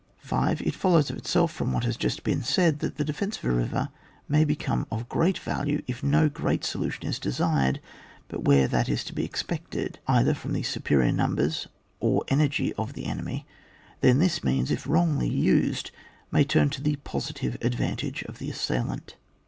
5. It follows of itself from what has just been said that the defence of a river may become of great value if no great solution is desired, but where that is to be expected, either from the superior num bers or energy of the enemy, then this means, if wrongly used, may turn to the positive advantage of the assailant.